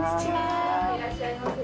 いらっしゃいませ。